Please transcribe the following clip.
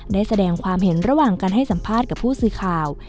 ได้แสดงความเห็นระหว่างการให้สัมภาษณ์กับผู้สื่อข่าว